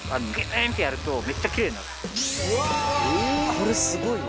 これすごいわ。